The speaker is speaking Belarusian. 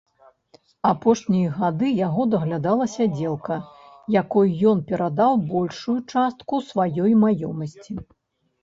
Апошнія гады яго даглядала сядзелка, якой ён перадаў большую частку сваёй маёмасці.